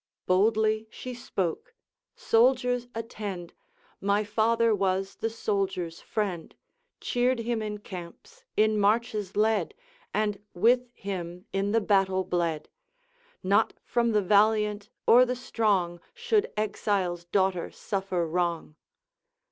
Boldly she spoke: 'Soldiers, attend! My father was the soldier's friend, Cheered him in camps, in marches led, And with him in the battle bled. Not from the valiant or the strong Should exile's daughter suffer wrong.'